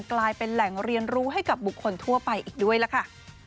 กลายเป็นแหล่งเรียนรู้ให้กับบุคคลทั่วไปอีกด้วยล่ะค่ะ